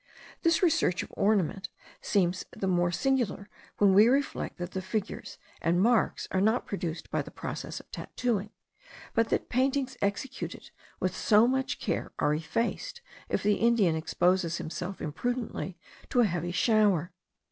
This research of ornament seems the more singular when we reflect that the figures and marks are not produced by the process of tattooing, but that paintings executed with so much care are effaced,* if the Indian exposes himself imprudently to a heavy shower.